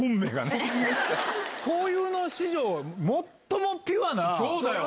こういうの史上、最もピュアそうだよ。